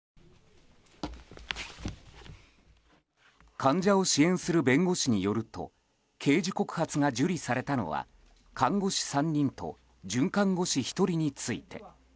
患者を支援する弁護士によると刑事告発が受理されたのは看護師３人と准看護師１人について。